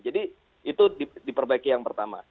jadi itu diperbaiki yang pertama